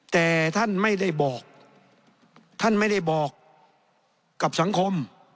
แต่ท่านไม่ได้บอกท่านไม่ได้บอกกับสังคม